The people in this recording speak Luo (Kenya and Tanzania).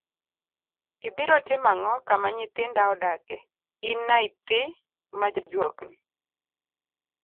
Ibiro timo ang'o kama nyithinda odake, in naythi ma jajuok ni?